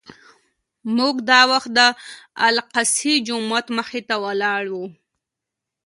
موږ دا وخت د الاقصی جومات مخې ته ولاړ وو.